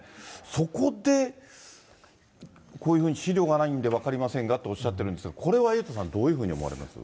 そこで、こういうふうに資料がないんで分かりませんがっておっしゃってるんですが、これはエイトさん、どういうふうに思われます？